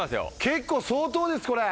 結構相当ですこれ。